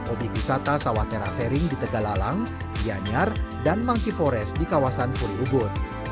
objek wisata sawah terasering di tegalalang kianyar dan mangki forest di kawasan furi ubud